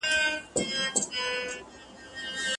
څاڅکي څاڅکي ډېرېږي.